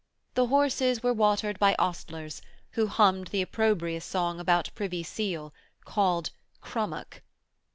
The horses were watered by ostlers who hummed the opprobrious song about Privy Seal, called 'Crummock.'